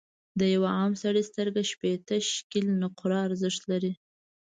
د یوه عام سړي سترګه شپیته شِکِل نقره ارزښت لري.